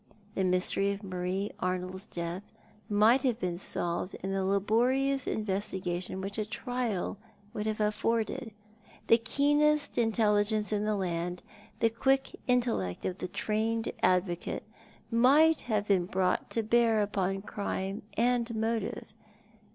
The mystery of ]\[arie Arnold's death might have been solved in the laborious investi gation which a trial would have afforded. The keenest intelli gence in the land, the quick intellect of the trained advocate, might have been brought to bear upon crime and motive.